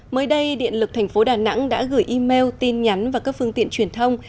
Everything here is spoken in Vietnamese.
mới đây điện lực tp đà nẵng đã gửi email tin nhắn và các phương tiện truyền thông